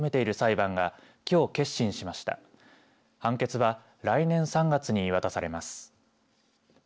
判決は来年３月に言い渡されます。